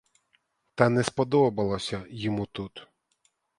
Та не сподобалося йому тут.